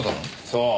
そう。